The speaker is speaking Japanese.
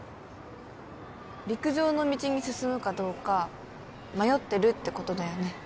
陸上の道に進むかどうか迷ってるってことだよね？